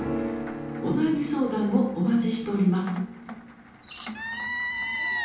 お悩み相談をお待ちしております。